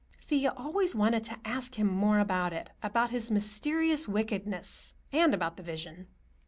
Thea always wanted to ask him more about it; about his mysterious wickedness, and about the vision.